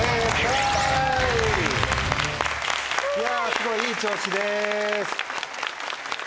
スゴいいい調子です。